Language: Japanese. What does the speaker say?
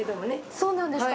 そうなんですか？